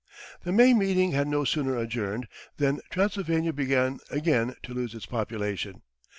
The May meeting had no sooner adjourned than Transylvania began again to lose its population.